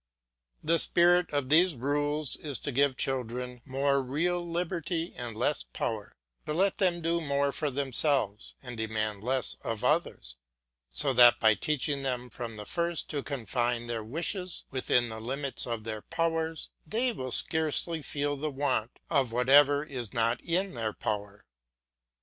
The spirit of these rules is to give children more real liberty and less power, to let them do more for themselves and demand less of others; so that by teaching them from the first to confine their wishes within the limits of their powers they will scarcely feel the want of whatever is not in their power.